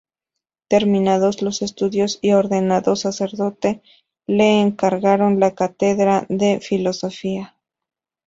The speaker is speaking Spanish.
Terminados los estudios y ordenado sacerdote, le encargaron la cátedra de filosofía.